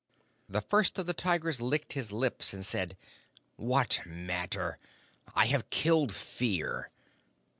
The First of the Tigers licked his lips and said: 'What matter? I have killed Fear.'